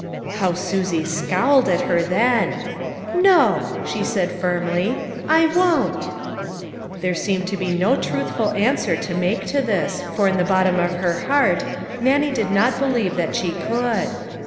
How Susie scowled at her then !" No," she said, firmly, " I won't." There seemed to be no truthful answer to make to this, for in the botton of her heart, Nan nie did not believe that she could.